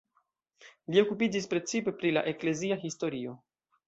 Li okupiĝis precipe pri la eklezia historio.